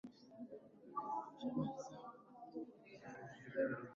Wezi ni watu wabaya